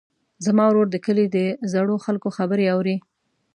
زما ورور د کلي د زړو خلکو خبرې اوري.